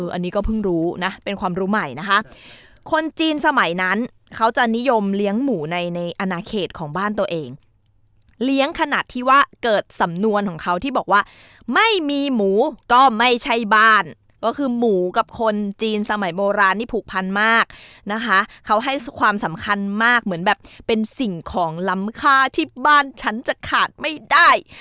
อันนี้ก็เพิ่งรู้นะเป็นความรู้ใหม่นะคะคนจีนสมัยนั้นเขาจะนิยมเลี้ยงหมูในในอนาเขตของบ้านตัวเองเลี้ยงขนาดที่ว่าเกิดสำนวนของเขาที่บอกว่าไม่มีหมูก็ไม่ใช่บ้านก็คือหมูกับคนจีนสมัยโบราณนี่ผูกพันมากนะคะเขาให้ความสำคัญมากเหมือนแบบเป็นสิ่งของล้ำค่าที่บ้านฉันจะขาดไม่ได้